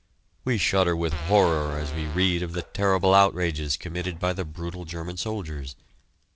We shudder with horror as we read of the terrible outrages committed by the brutal German soldiers.